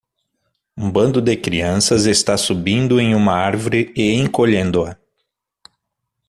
Um bando de crianças está subindo em uma árvore e encolhendo-a.